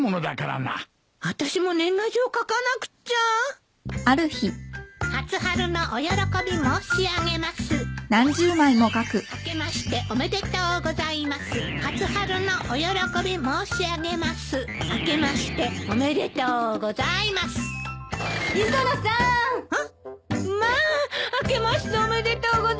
まあ明けましておめでとうございます。